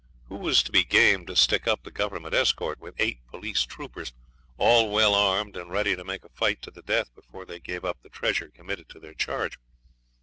Who was to be game to stick up the Government escort, with eight police troopers, all well armed and ready to make a fight to the death before they gave up the treasure committed to their charge?